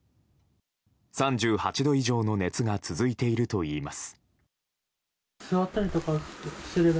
３８度以上の熱が続いているといいます。